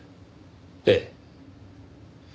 ええ。